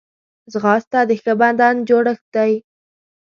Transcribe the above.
ځغاسته د ښه بدن جوړښت دی